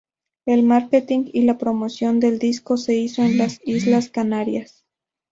El marketing y la promoción del disco se hizo en las Islas Canarias.